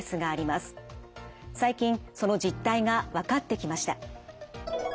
最近その実態が分かってきました。